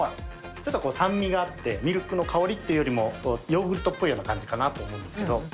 ちょっと酸味があって、ミルクの香りっていうよりも、ヨーグルトっぽいような感じかなと思うんですけど。